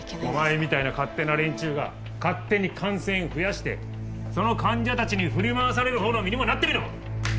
お前みたいな勝手な連中が勝手に感染増やしてその患者たちに振り回されるほうの身にもなってみろ！